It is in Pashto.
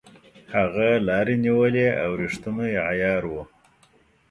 هغه لاري نیولې او ریښتونی عیار وو.